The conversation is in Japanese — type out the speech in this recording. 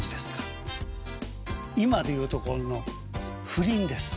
今で言うところの「不倫」です。